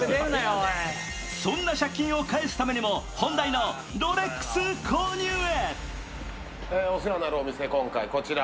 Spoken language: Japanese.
そんな借金を返すために本題のロレックス購入へ。